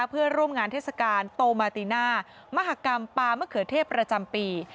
เพื่อร่วมงานเทศกาลโตมาติน่ามหากรรมปลามะเขือเทพประจำปี